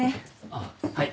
あっはい。